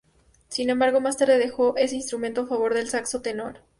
Sin embargo, más tarde dejó ese instrumento a favor del saxo tenor.